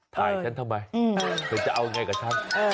ถ่ายฉันทำไมเธอจะเอาอย่างไรกับฉัน